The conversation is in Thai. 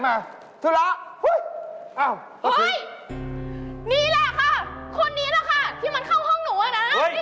คนนี้แหละค่ะที่มันเข้าห้องหนู